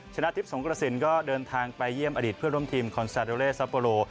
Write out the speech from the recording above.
ชนะทิพย์สงกระสินก็เดินทางไปเยี่ยมอดีตเพื่อนร่วมทีมคอนซาโดเลซัปโปโล